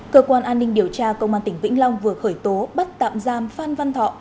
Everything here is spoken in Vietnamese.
cơ quan an ninh điều tra công an tỉnh vĩnh long vừa khởi tố bắt tạm giam phan văn thọ